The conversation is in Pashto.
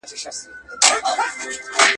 اور ته نیژدې یو بوډا ناست دی په چورتو کي ډوب دی.